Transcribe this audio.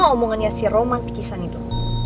omongannya si roman di kisah yg tu